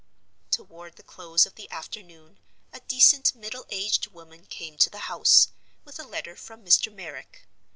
Toward the close of the afternoon a decent middle aged woman came to the house, with a letter from Mr. Merrick.